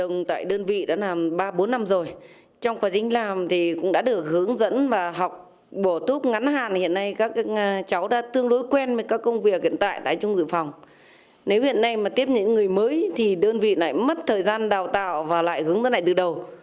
nếu hiện nay mà tiếp những người mới thì đơn vị này mất thời gian đào tạo và lại hướng cái này từ đầu